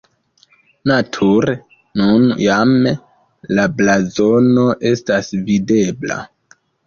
Nature nun jam la blazono estas videbla.